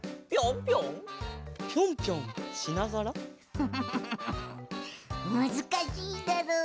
フフフフフフむずかしいだろう。